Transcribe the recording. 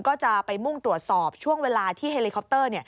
ก็จะไปมุ่งตรวจสอบช่วงเวลาที่เฮลิคอปเตอร์